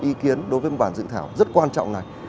ý kiến đối với bản dự thảo rất quan trọng này